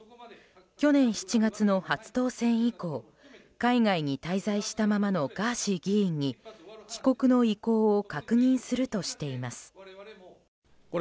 去年７月の初当選以降海外に滞在したままのガーシー議員に帰国の意向を確認するとしています。